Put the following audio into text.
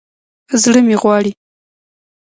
زړه مې غواړي